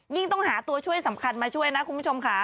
ต้องหาตัวช่วยสำคัญมาช่วยนะคุณผู้ชมค่ะ